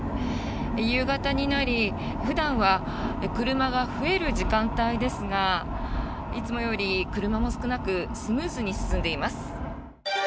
夕方になり普段は車が増える時間帯ですがいつもより車も少なくスムーズに進んでいます。